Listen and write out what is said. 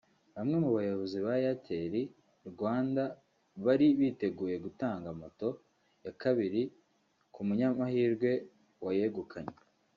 Bamwe mu bayobozi ba Airtel Rwanda bari biteguye gutanga moto ya kabiri ku munyamahirwe wayegukanye